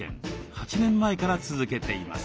８年前から続けています。